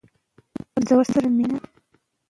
ماشومان بې پاملرنې نه پاتې کېږي.